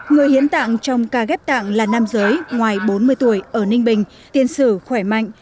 người hiến tạng trong ca ghép tạng là nam giới ngoài bốn mươi tuổi ở ninh bình tiền sử khỏe mạnh